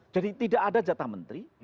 jadi tidak ada jatah menteri